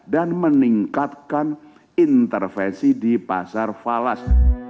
dan meningkatkan intervensi di pasar falas